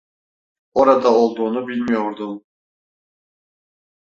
Orada olduğunu bilmiyordum.